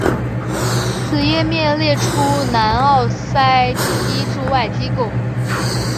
此页面列出南奥塞梯驻外机构。